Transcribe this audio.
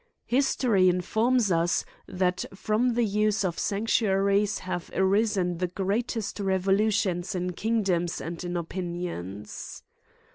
Histo ry informs us, that from the use of sanctuaries have arisen the greatest revolutions in kingdoms and in opinions.